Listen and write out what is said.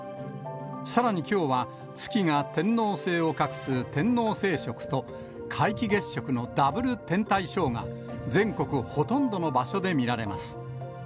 さらにきょうは、月が天王星を隠す天王星食と皆既月食のダブル天体ショーが、全国ほとんどの場所で見られます。